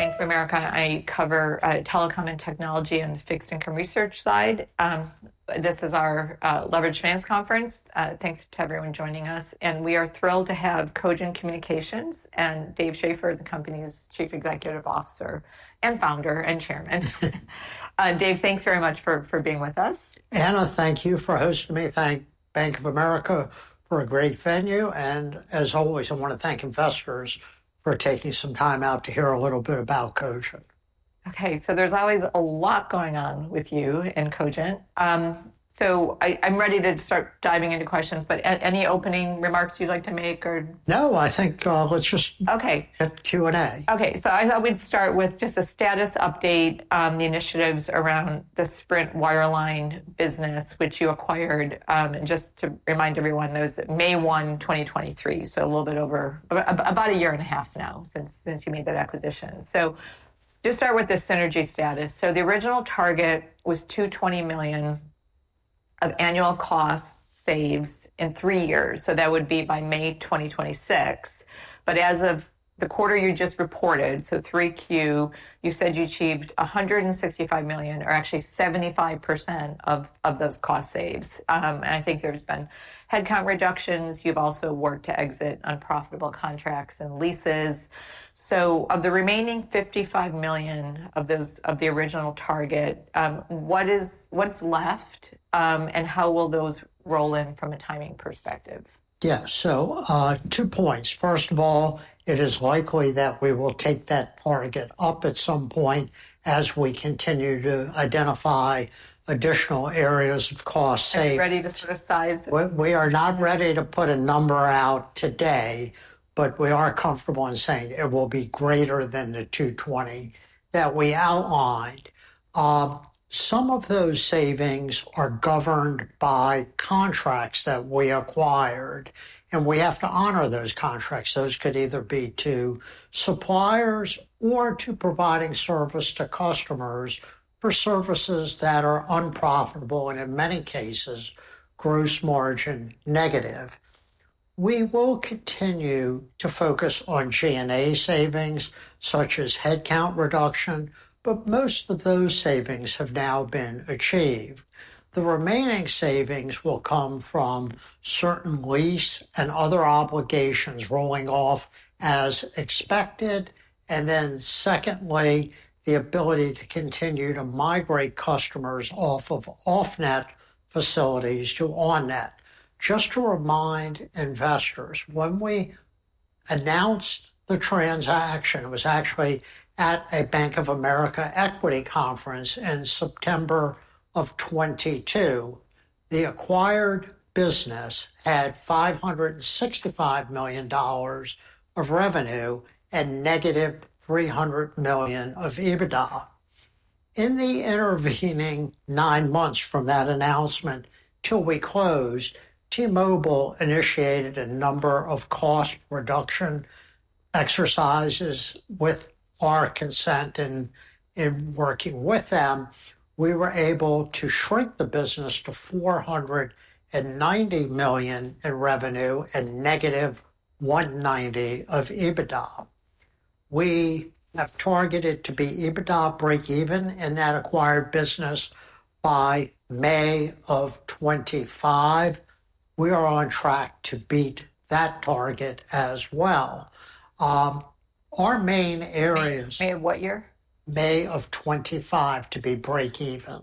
Bank of America. I cover telecom and technology and the fixed income research side. This is our Leveraged Finance Conference. Thanks to everyone joining us, and we are thrilled to have Cogent Communications and Dave Schaeffer, the company's Chief Executive Officer and founder and chairman. Dave, thanks very much for being with us. Ana, thank you for hosting me. Thank Bank of America for a great venue, and as always, I want to thank investors for taking some time out to hear a little bit about Cogent. Okay, so there's always a lot going on with you in Cogent. So I'm ready to start diving into questions, but any opening remarks you'd like to make or? No, I think let's just hit Q&A. Okay, so I thought we'd start with just a status update on the initiatives around the Sprint Wireline business, which you acquired. And just to remind everyone, that was May 1, 2023, so a little bit over about a year and a half now since you made that acquisition. So just start with the synergy status. So the original target was $220 million of annual cost saves in three years. So that would be by May 2026. But as of the quarter you just reported, so 3Q, you said you achieved $165 million, or actually 75% of those cost saves. And I think there's been headcount reductions. You've also worked to exit unprofitable contracts and leases. So of the remaining $55 million of the original target, what's left and how will those roll in from a timing perspective? Yeah, so two points. First of all, it is likely that we will take that target up at some point as we continue to identify additional areas of cost saving. Are you ready to sort of size? We are not ready to put a number out today, but we are comfortable in saying it will be greater than the $220 million that we outlined. Some of those savings are governed by contracts that we acquired, and we have to honor those contracts. Those could either be to suppliers or to providing service to customers for services that are unprofitable and in many cases gross margin negative. We will continue to focus on G&A savings, such as headcount reduction, but most of those savings have now been achieved. The remaining savings will come from certain lease and other obligations rolling off as expected, and then secondly, the ability to continue to migrate customers off of off-net facilities to on-net. Just to remind investors, when we announced the transaction, it was actually at a Bank of America equity conference in September of 2022. The acquired business had $565 million of revenue and negative $300 million of EBITDA. In the intervening nine months from that announcement till we closed, T-Mobile initiated a number of cost reduction exercises with our consent and in working with them. We were able to shrink the business to $490 million in revenue and negative $190 million of EBITDA. We have targeted to be EBITDA break-even in that acquired business by May of 2025. We are on track to beat that target as well. Our main areas. May of what year? May of 2025 to be break-even.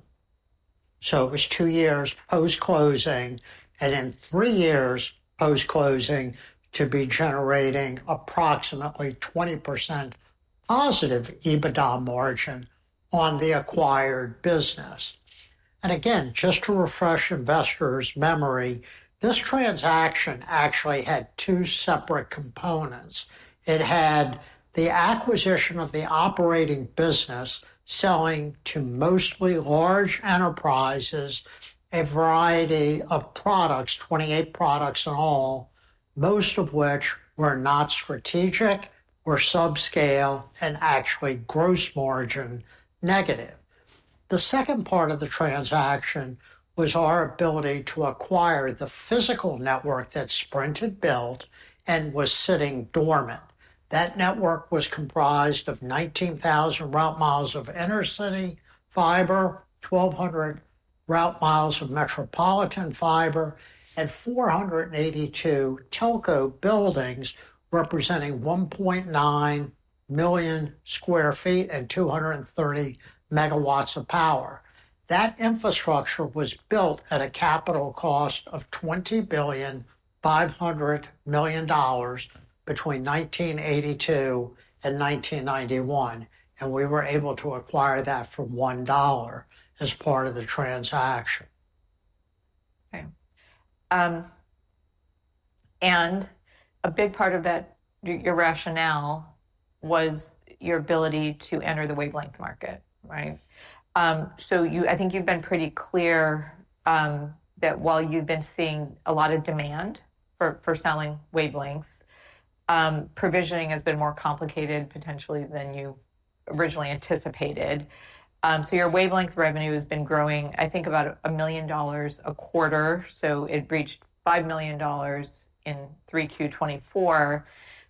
So it was two years post-closing and in three years post-closing to be generating approximately 20% positive EBITDA margin on the acquired business. And again, just to refresh investors' memory, this transaction actually had two separate components. It had the acquisition of the operating business selling to mostly large enterprises a variety of products, 28 products in all, most of which were not strategic or subscale and actually gross margin negative. The second part of the transaction was our ability to acquire the physical network that Sprint had built and was sitting dormant. That network was comprised of 19,000 route miles of intercity fiber, 1,200 route miles of metropolitan fiber, and 482 telco buildings representing 1.9 million sq ft and 230 megawatts of power. That infrastructure was built at a capital cost of $20.5 billion between 1982 and 1991. We were able to acquire that for $1 as part of the transaction. Okay. And a big part of that, your rationale was your ability to enter the wavelength market, right? So I think you've been pretty clear that while you've been seeing a lot of demand for selling wavelengths, provisioning has been more complicated potentially than you originally anticipated. So your wavelength revenue has been growing, I think, about $1 million a quarter. So it breached $5 million in 3Q24.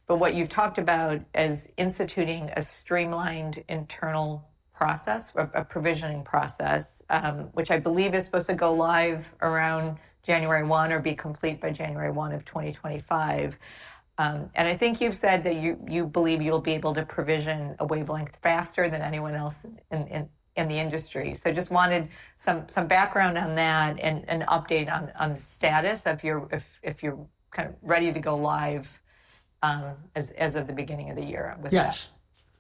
But what you've talked about as instituting a streamlined internal process, a provisioning process, which I believe is supposed to go live around January 1 or be complete by January 1 of 2025. And I think you've said that you believe you'll be able to provision a wavelength faster than anyone else in the industry. So, I just wanted some background on that and an update on the status if you're kind of ready to go live as of the beginning of the year with that. Yes.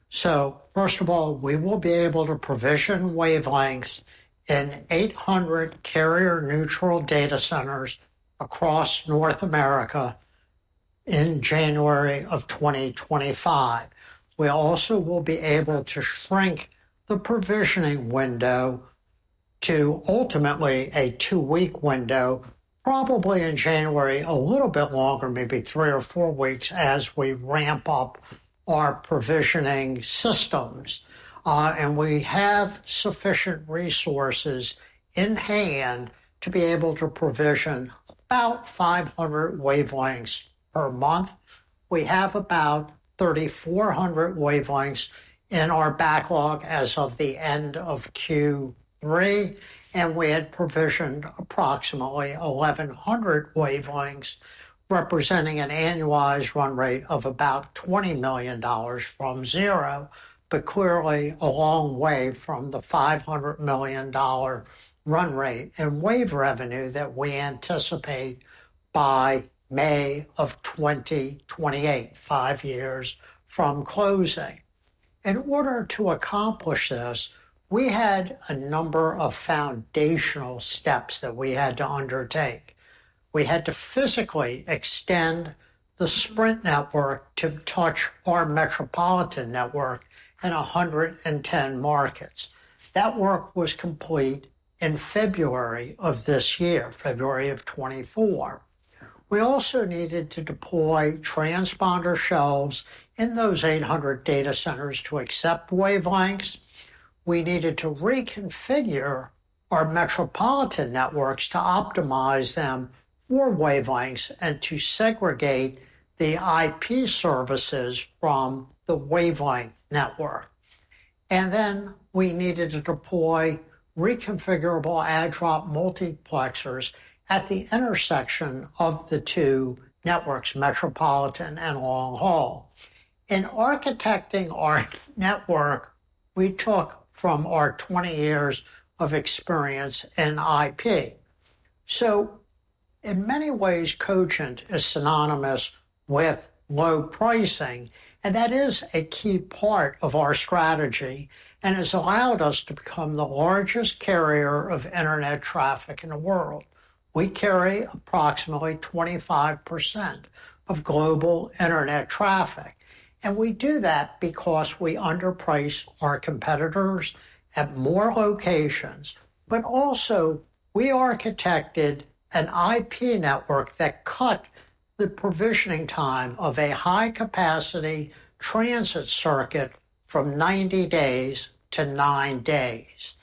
So first of all, we will be able to provision wavelengths in 800 carrier-neutral data centers across North America in January of 2025. We also will be able to shrink the provisioning window to ultimately a two-week window, probably in January, a little bit longer, maybe three or four weeks as we ramp up our provisioning systems. And we have sufficient resources in hand to be able to provision about 500 wavelengths per month. We have about 3,400 wavelengths in our backlog as of the end of Q3, and we had provisioned approximately 1,100 wavelengths representing an annualized run rate of about $20 million from zero, but clearly a long way from the $500 million run rate and wavelength revenue that we anticipate by May of 2028, five years from closing. In order to accomplish this, we had a number of foundational steps that we had to undertake. We had to physically extend the Sprint network to touch our metropolitan network and 110 markets. That work was complete in February of this year, February of 2024. We also needed to deploy transponder shelves in those 800 data centers to accept wavelengths. We needed to reconfigure our metropolitan networks to optimize them for wavelengths and to segregate the IP services from the wavelength network. And then we needed to deploy reconfigurable add/drop multiplexers at the intersection of the two networks, metropolitan and long haul. In architecting our network, we took from our 20 years of experience in IP. So in many ways, Cogent is synonymous with low pricing, and that is a key part of our strategy and has allowed us to become the largest carrier of internet traffic in the world. We carry approximately 25% of global internet traffic. And we do that because we underprice our competitors at more locations, but also we architected an IP network that cut the provisioning time of a high-capacity transit circuit from 90 days to nine days.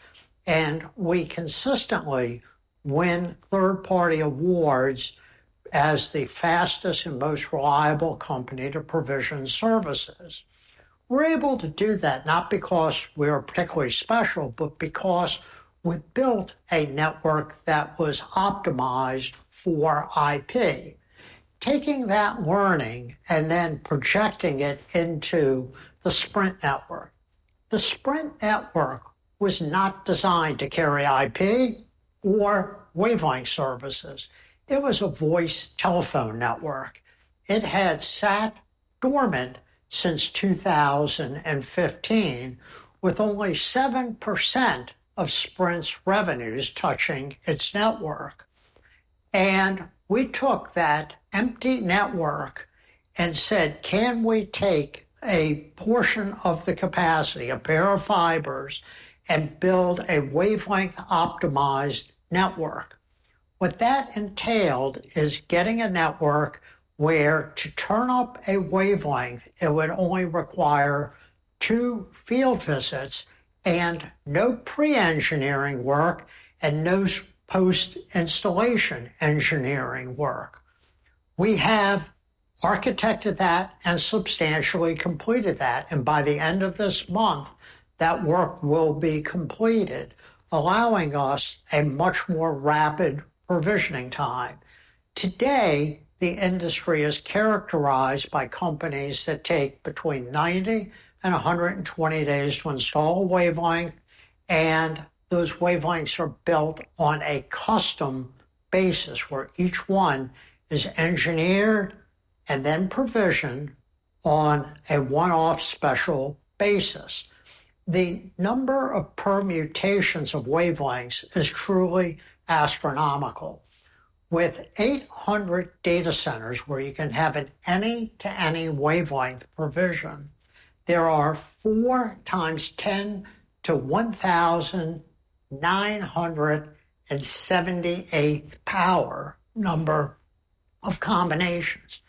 And we consistently win third-party awards as the fastest and most reliable company to provision services. We're able to do that not because we're particularly special, but because we built a network that was optimized for IP, taking that learning and then projecting it into the Sprint network. The Sprint network was not designed to carry IP or wavelength services. It was a voice telephone network. It had sat dormant since 2015 with only 7% of Sprint's revenues touching its network. And we took that empty network and said, can we take a portion of the capacity, a pair of fibers, and build a wavelength-optimized network? What that entailed is getting a network where to turn up a wavelength, it would only require two field visits and no pre-engineering work and no post-installation engineering work. We have architected that and substantially completed that, and by the end of this month, that work will be completed, allowing us a much more rapid provisioning time. Today, the industry is characterized by companies that take between 90 and 120 days to install a wavelength, and those wavelengths are built on a custom basis where each one is engineered and then provisioned on a one-off special basis. The number of permutations of wavelengths is truly astronomical. With 800 data centers where you can have an any-to-any wavelength provision, there are 4 times 10 to the 1,978th power number of combinations.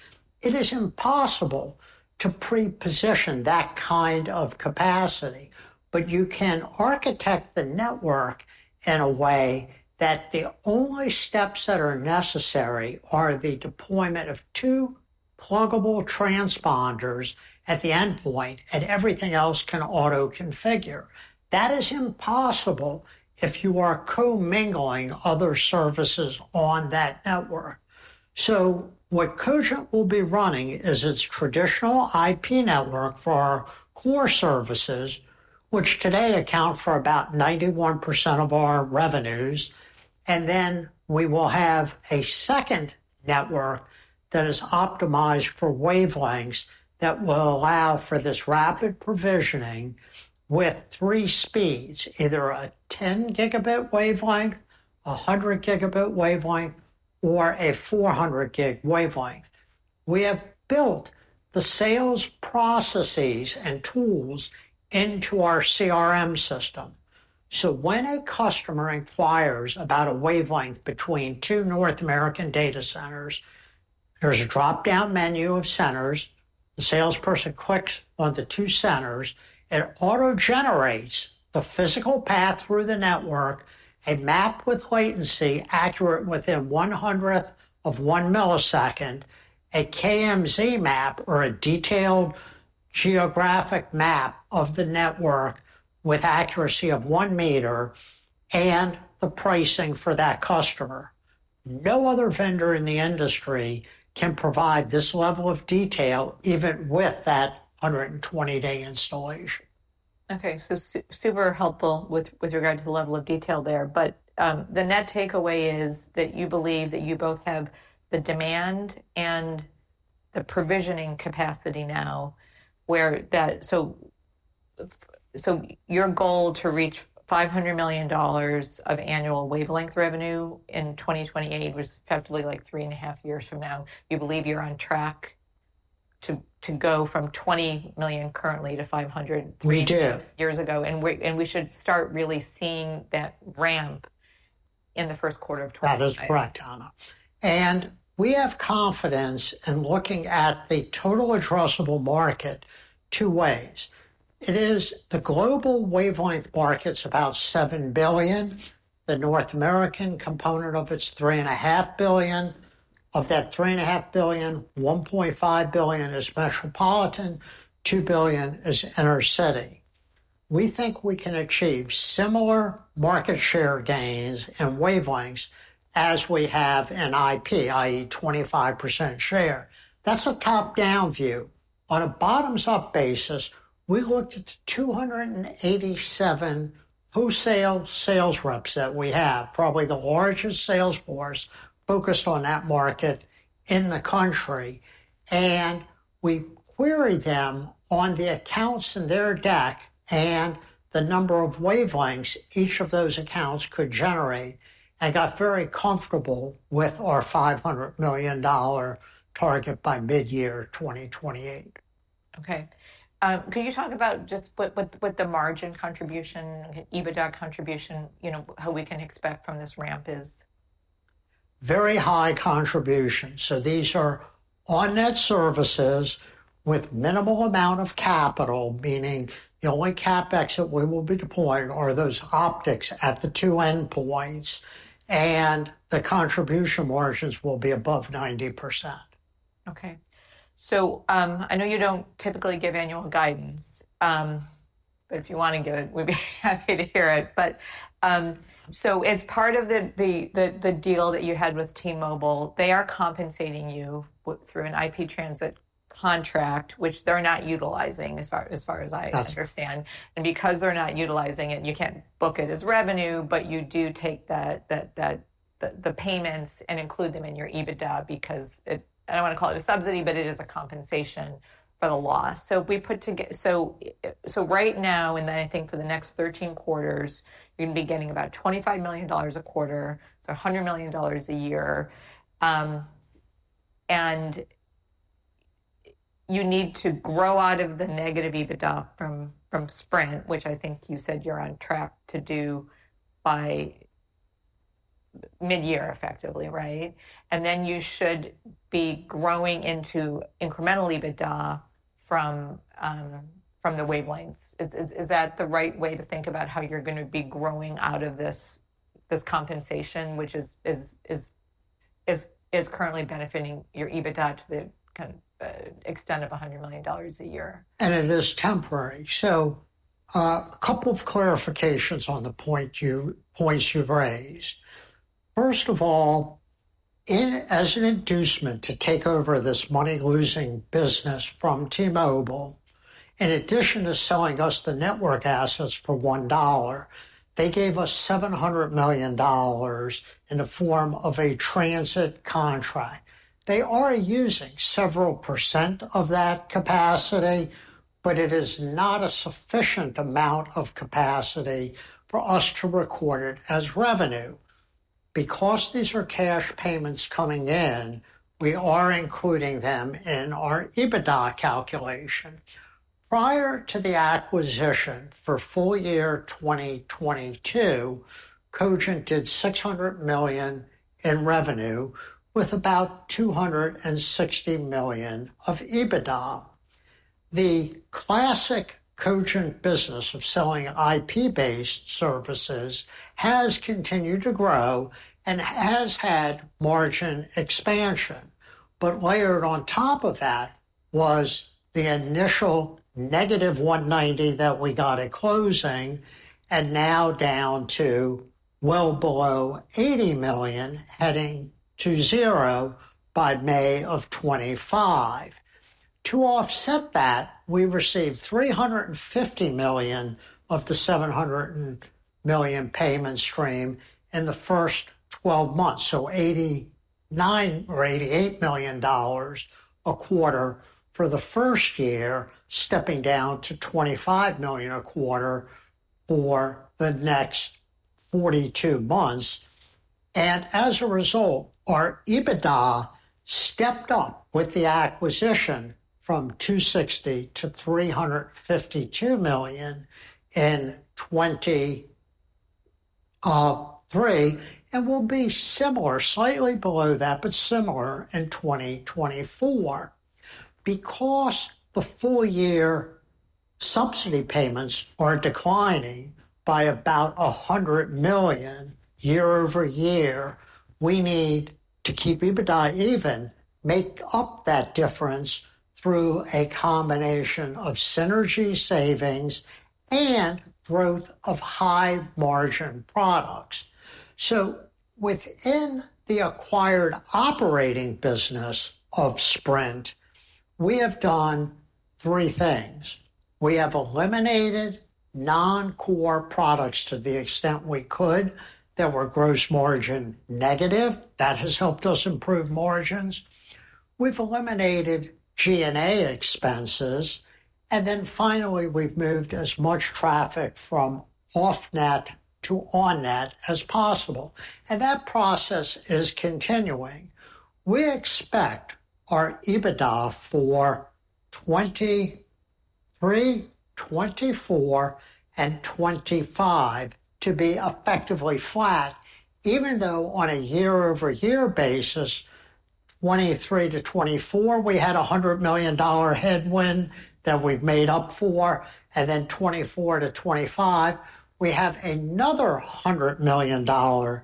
It is impossible to pre-position that kind of capacity, but you can architect the network in a way that the only steps that are necessary are the deployment of two pluggable transponders at the endpoint, and everything else can auto-configure. That is impossible if you are co-mingling other services on that network. So what Cogent will be running is its traditional IP network for our core services, which today account for about 91% of our revenues, and then we will have a second network that is optimized for wavelengths that will allow for this rapid provisioning with three speeds, either a 10-gigabit wavelength, a 100-gigabit wavelength, or a 400-gig wavelength. We have built the sales processes and tools into our CRM system, so when a customer inquires about a wavelength between two North American data centers, there's a drop-down menu of centers. The salesperson clicks on the two centers. It auto-generates the physical path through the network, a map with latency accurate within one hundredth of one millisecond, a KMZ map or a detailed geographic map of the network with accuracy of one meter, and the pricing for that customer. No other vendor in the industry can provide this level of detail even with that 120-day installation. Okay. So super helpful with regard to the level of detail there. But then that takeaway is that you believe that you both have the demand and the provisioning capacity now where that so your goal to reach $500 million of annual wavelength revenue in 2028 was effectively like three and a half years from now. You believe you're on track to go from $20 million currently to $500 million. And we should start really seeing that ramp in the first quarter of 2026. That is correct, Ana. And we have confidence in looking at the total addressable market two ways. It is the global wavelength market's about $7 billion. The North American component of it's $3.5 billion. Of that $3.5 billion, $1.5 billion is metropolitan, $2 billion is intercity. We think we can achieve similar market share gains in wavelengths as we have in IP, i.e., 25% share. That's a top-down view. On a bottoms-up basis, we looked at 287 wholesale sales reps that we have, probably the largest sales force focused on that market in the country. And we queried them on the accounts in their deck and the number of wavelengths each of those accounts could generate and got very comfortable with our $500 million target by mid-year 2028. Okay. Could you talk about just what the margin contribution, EBITDA contribution, you know how we can expect from this ramp is? Very high contribution. So these are on-net services with minimal amount of capital, meaning the only CapEx that we will be deploying are those optics at the two endpoints, and the contribution margins will be above 90%. Okay. So I know you don't typically give annual guidance, but if you want to give it, we'd be happy to hear it. But so as part of the deal that you had with T-Mobile, they are compensating you through an IP transit contract, which they're not utilizing as far as I understand. And because they're not utilizing it, you can't book it as revenue, but you do take the payments and include them in your EBITDA because I don't want to call it a subsidy, but it is a compensation for the loss. So we put together so right now, and then I think for the next 13 quarters, you're going to be getting about $25 million a quarter. It's $100 million a year. And you need to grow out of the negative EBITDA from Sprint, which I think you said you're on track to do by mid-year effectively, right? And then you should be growing into incremental EBITDA from the wavelengths. Is that the right way to think about how you're going to be growing out of this compensation, which is currently benefiting your EBITDA to the extent of $100 million a year? It is temporary. A couple of clarifications on the points you've raised. First of all, as an inducement to take over this money-losing business from T-Mobile, in addition to selling us the network assets for $1, they gave us $700 million in the form of a transit contract. They are using several percent of that capacity, but it is not a sufficient amount of capacity for us to record it as revenue. Because these are cash payments coming in, we are including them in our EBITDA calculation. Prior to the acquisition for full year 2022, Cogent did $600 million in revenue with about $260 million of EBITDA. The classic Cogent business of selling IP-based services has continued to grow and has had margin expansion. But layered on top of that was the initial negative 190 that we got at closing and now down to well below $80 million, heading to zero by May of 2025. To offset that, we received $350 million of the $700 million payment stream in the first 12 months. So $89 or $88 million a quarter for the first year, stepping down to $25 million a quarter for the next 42 months. And as a result, our EBITDA stepped up with the acquisition from $260 to $352 million in 2023 and will be similar, slightly below that, but similar in 2024. Because the full-year subsidy payments are declining by about $100 million year over year, we need to keep EBITDA even, make up that difference through a combination of synergy savings and growth of high-margin products. So within the acquired operating business of Sprint, we have done three things. We have eliminated non-core products to the extent we could that were gross margin negative. That has helped us improve margins. We've eliminated G&A expenses, and then finally, we've moved as much traffic from off-net to on-net as possible. And that process is continuing. We expect our EBITDA for 2023, 2024, and 2025 to be effectively flat, even though on a year-over-year basis, 2023 to 2024, we had a $100 million headwind that we've made up for, and then 2024 to 2025, we have another $100 million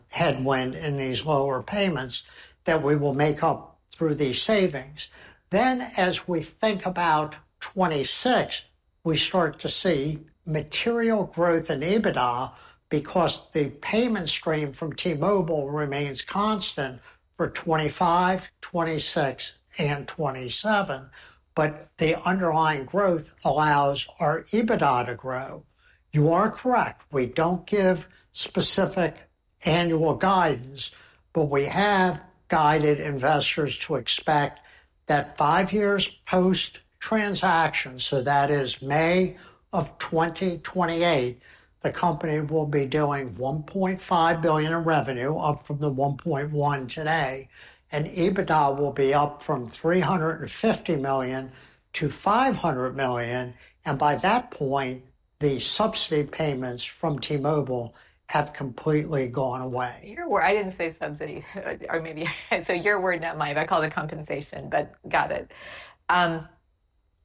headwind in these lower payments that we will make up through these savings. Then as we think about 2026, we start to see material growth in EBITDA because the payment stream from T-Mobile remains constant for 2025, 2026, and 2027. But the underlying growth allows our EBITDA to grow. You are correct. We don't give specific annual guidance, but we have guided investors to expect that five years post-transaction, so that is May of 2028, the company will be doing $1.5 billion in revenue up from the $1.1 billion today. And EBITDA will be up from $350 million to $500 million. And by that point, the subsidy payments from T-Mobile have completely gone away. Your word. I didn't say subsidy. Or maybe. So your word, not mine. I call it compensation, but got it.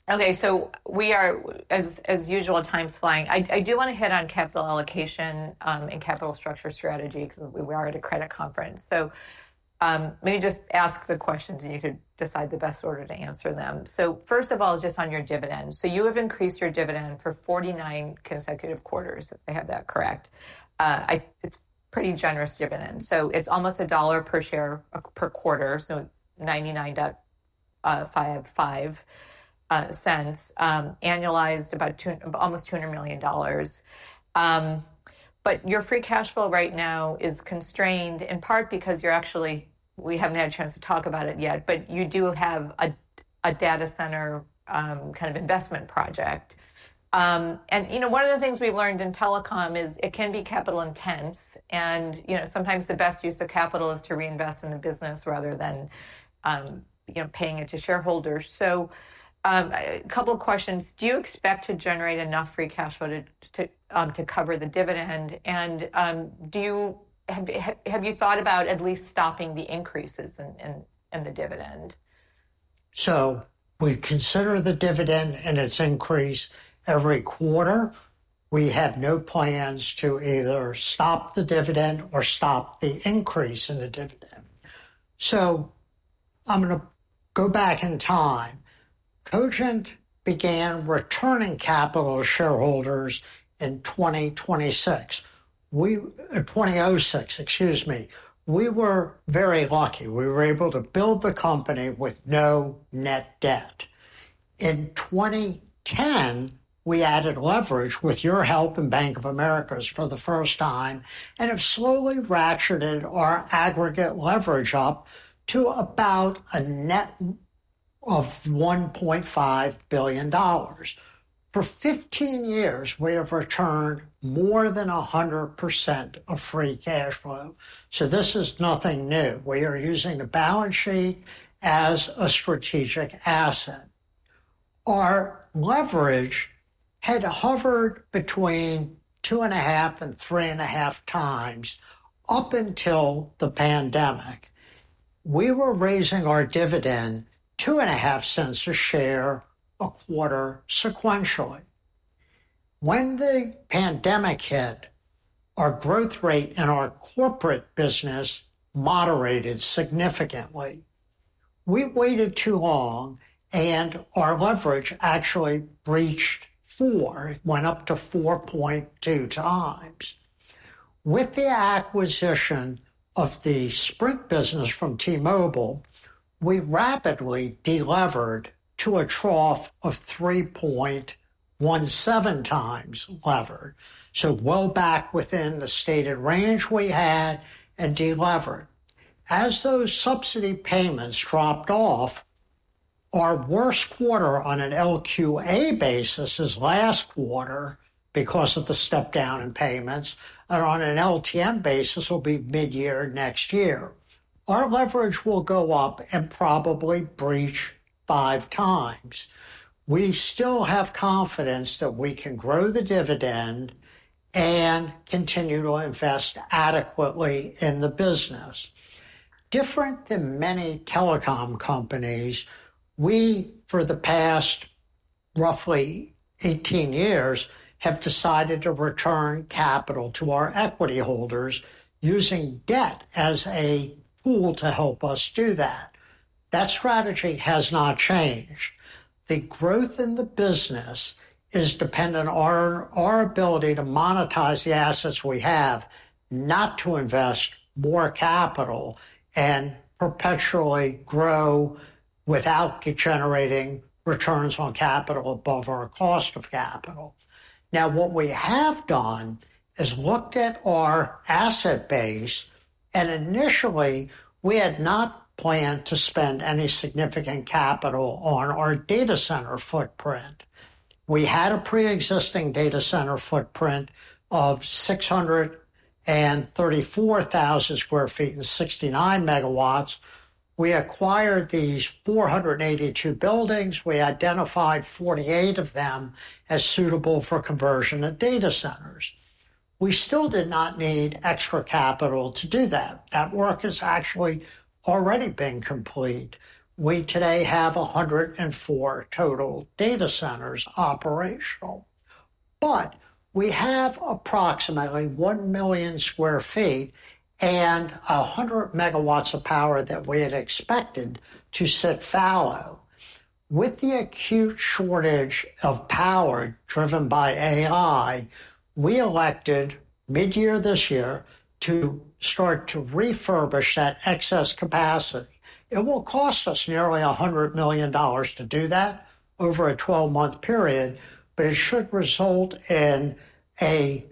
Okay, so we are, as usual, time's flying. I do want to hit on capital allocation and capital structure strategy because we are at a credit conference, so let me just ask the questions and you could decide the best order to answer them, so first of all, just on your dividends. So you have increased your dividend for 49 consecutive quarters. I have that correct. It's pretty generous dividend. So it's almost a dollar per share per quarter, so $99.55 annualized, about almost $200 million, but your free cash flow right now is constrained in part because you're actually, we haven't had a chance to talk about it yet, but you do have a data center kind of investment project. You know one of the things we've learned in telecom is it can be capital intense. You know sometimes the best use of capital is to reinvest in the business rather than paying it to shareholders. A couple of questions. Do you expect to generate enough free cash flow to cover the dividend? And have you thought about at least stopping the increases in the dividend? So we consider the dividend and its increase every quarter. We have no plans to either stop the dividend or stop the increase in the dividend. So I'm going to go back in time. Cogent began returning capital to shareholders in 2006, 2006, excuse me. We were very lucky. We were able to build the company with no net debt. In 2010, we added leverage with your help and Bank of America's for the first time and have slowly ratcheted our aggregate leverage up to about a net of $1.5 billion. For 15 years, we have returned more than 100% of free cash flow. So this is nothing new. We are using the balance sheet as a strategic asset. Our leverage had hovered between two and a half and three and a half times up until the pandemic. We were raising our dividend $0.025 a share a quarter sequentially. When the pandemic hit, our growth rate in our corporate business moderated significantly. We waited too long, and our leverage actually breached 4, went up to 4.2 times. With the acquisition of the Sprint business from T-Mobile, we rapidly delivered to a trough of 3.17 times levered, so well back within the stated range we had and delivered. As those subsidy payments dropped off, our worst quarter on an LQA basis is last quarter because of the step down in payments, and on an LTM basis, it'll be mid-year next year. Our leverage will go up and probably breach 5 times. We still have confidence that we can grow the dividend and continue to invest adequately in the business. Different than many telecom companies, we for the past roughly 18 years have decided to return capital to our equity holders using debt as a tool to help us do that. That strategy has not changed. The growth in the business is dependent on our ability to monetize the assets we have, not to invest more capital and perpetually grow without generating returns on capital above our cost of capital. Now, what we have done is looked at our asset base, and initially, we had not planned to spend any significant capital on our data center footprint. We had a pre-existing data center footprint of 634,000 sq ft and 69 megawatts. We acquired these 482 buildings. We identified 48 of them as suitable for conversion at data centers. We still did not need extra capital to do that. That work has actually already been complete. We today have 104 total data centers operational. But we have approximately 1 million sq ft and 100 megawatts of power that we had expected to sit fallow. With the acute shortage of power driven by AI, we elected mid-year this year to start to refurbish that excess capacity. It will cost us nearly $100 million to do that over a 12-month period, but it should result in 100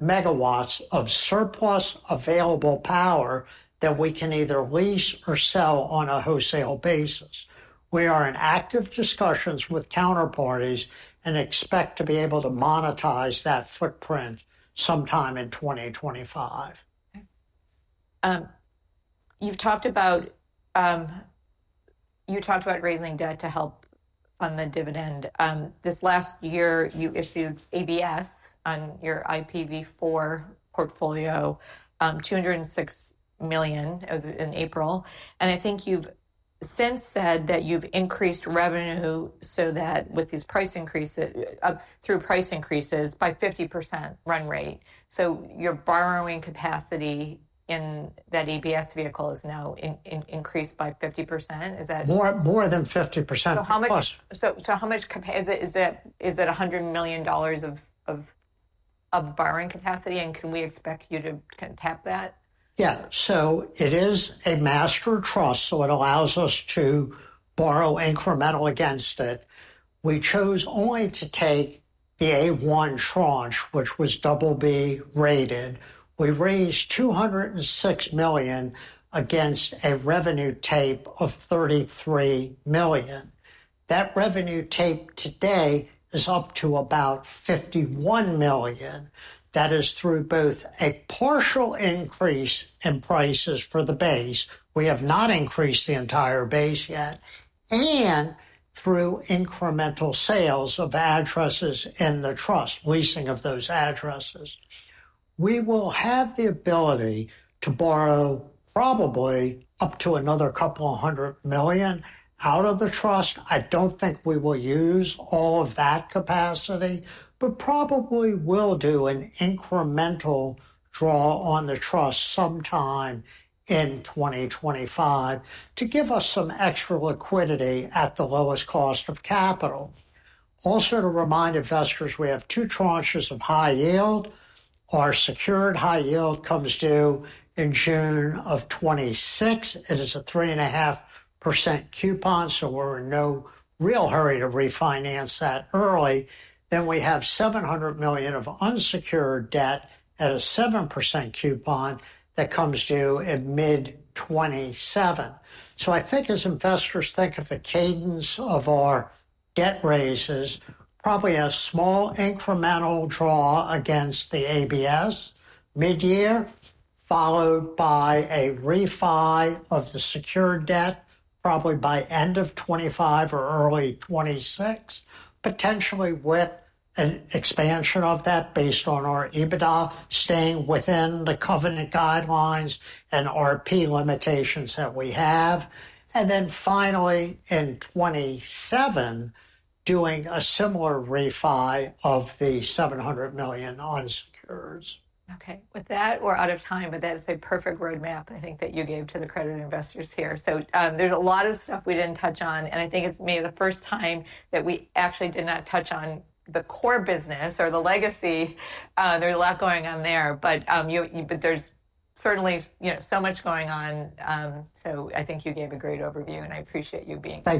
megawatts of surplus available power that we can either lease or sell on a wholesale basis. We are in active discussions with counterparties and expect to be able to monetize that footprint sometime in 2025. You've talked about raising debt to help fund the dividend. This last year, you issued ABS on your IPv4 portfolio, $206 million in April, and I think you've since said that you've increased revenue so that with these price increases by 50% run rate, so your borrowing capacity in that ABS vehicle is now increased by 50%. Is that? More than 50%. How much is it? Is it $100 million of borrowing capacity? Can we expect you to tap that? Yeah, so it is a master trust, so it allows us to borrow incremental against it. We chose only to take the A1 tranche, which was double B rated. We raised $206 million against a revenue tape of $33 million. That revenue tape today is up to about $51 million. That is through both a partial increase in prices for the base. We have not increased the entire base yet, and through incremental sales of addresses in the trust, leasing of those addresses. We will have the ability to borrow probably up to another couple of hundred million out of the trust. I don't think we will use all of that capacity, but probably will do an incremental draw on the trust sometime in 2025 to give us some extra liquidity at the lowest cost of capital. Also to remind investors, we have two tranches of high yield. Our secured high yield comes due in June of 2026. It is a 3.5% coupon, so we're in no real hurry to refinance that early. Then we have $700 million of unsecured debt at a 7% coupon that comes due in mid-2027. So I think as investors think of the cadence of our debt raises, probably a small incremental draw against the ABS mid-year, followed by a refi of the secured debt, probably by end of 2025 or early 2026, potentially with an expansion of that based on our EBITDA staying within the covenant guidelines and RP limitations that we have. And then finally in 2027, doing a similar refi of the $700 million unsecured. Okay. With that, we're out of time, but that is a perfect roadmap, I think, that you gave to the credit investors here. So there's a lot of stuff we didn't touch on. And I think it's maybe the first time that we actually did not touch on the core business or the legacy. There's a lot going on there, but there's certainly so much going on. So I think you gave a great overview, and I appreciate you being.